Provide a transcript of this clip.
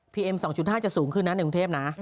พีเอ็มสองชุดห้าจะสูงขึ้นนะในกรุงเทพฯนะฮะ